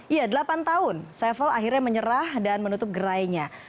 iya delapan tahun sevel akhirnya menyerah dan menutup gerainya